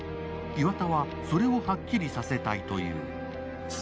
岩田は、それをはっきりさせたいという。